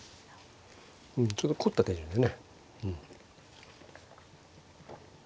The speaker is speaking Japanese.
うんちょっと凝った手順でね。